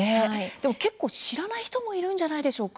でも知らない人もいるんじゃないでしょうか。